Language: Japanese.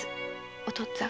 お父っつぁん。